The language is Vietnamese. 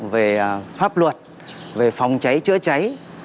về pháp luật về phòng cháy chữa cháy